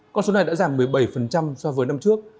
con số này đã giảm một mươi bảy so với năm trước